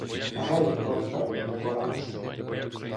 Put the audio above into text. Гей, Орфею, небораче!